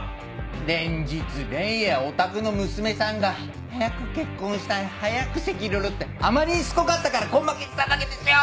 連日連夜おたくの娘さんが「早く結婚したい早く籍入れろ」ってあまりにしつこかったから根負けしただけですよ！